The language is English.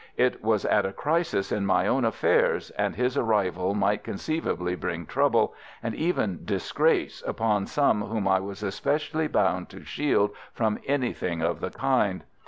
It was at a crisis in my own affairs, and his arrival might conceivably bring trouble, and even disgrace, upon some whom I was especially bound to shield from anything of the kind.